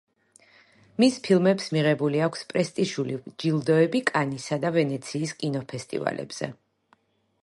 მის ფილმებს მიღებული აქვს პრესტიჟული ჯილდოები კანისა და ვენეციის კინოფესტივალებზე.